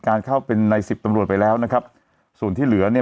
เข้าเป็นในสิบตำรวจไปแล้วนะครับส่วนที่เหลือเนี่ย